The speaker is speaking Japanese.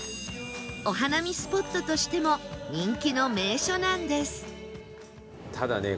お花見スポットとしても人気の名所なんです